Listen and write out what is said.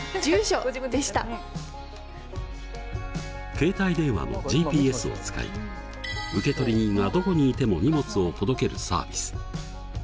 携帯電話のＧＰＳを使い受取人がどこにいても荷物を届けるサービス。